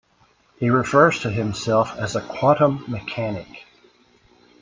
He refers to himself as a "quantum mechanic".